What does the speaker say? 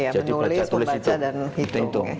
jadi baca tulis hitung